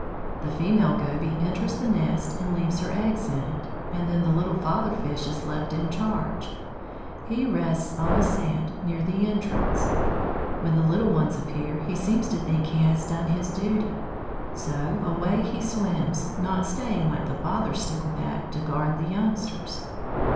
The female Goby enters the nest, and leaves her eggs in it; and then the little father fish is left in charge. He rests on the sand, near the entrance. When the little ones appear, he seems to think he has done his duty. So away, he swims, not staying, like the father Stickleback, to guard the youngsters.